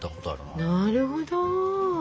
なるほど。